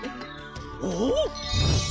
おっ！